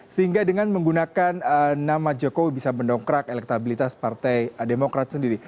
sehingga dengan menggunakan nama jokowi bisa mendongkrak elektabilitas partai demokrat sendiri